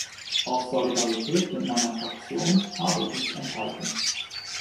Aus Solidarität mit meiner Fraktion habe ich mich enthalten.